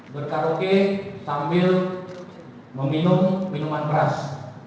berkaroge sambil meminum minuman keras